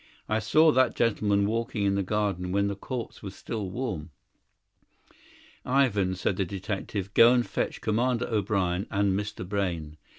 I saw that gentleman walking in the garden when the corpse was still warm." "Ivan," said the detective, "go and fetch Commandant O'Brien and Mr. Brayne.